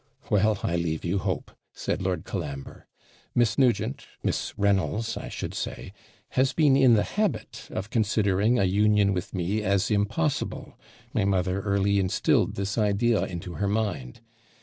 'Well, I leave you hope,' said Lord Colambre; 'Miss Nugent Miss Reynolds, I should say, has been in the habit of considering a union with me as impossible; my mother early instilled this idea into her mind.